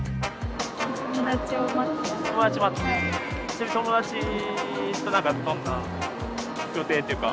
ちなみに友達となんかどんな予定っていうか。